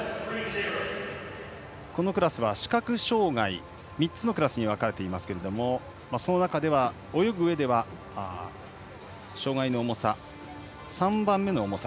このクラスは視覚障がい３つのクラスに分かれていますがその中では泳ぐうえで障がいの重さが３番目の重さ。